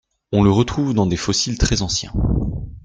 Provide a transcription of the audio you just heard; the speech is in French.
On le retrouve dans des fossiles très anciens.